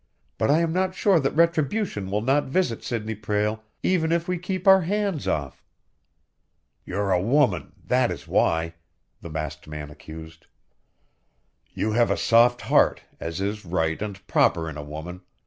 But I am not sure that retribution will not visit Sidney Prale even if we keep our hands off." "You're a woman; that is why!" the masked man accused. "You have a soft heart, as is right and proper in a woman.